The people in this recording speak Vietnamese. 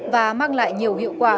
và mang lại nhiều hiệu quả